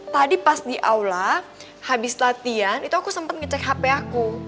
tadi pas di aula habis latihan itu aku sempet ngecek handphone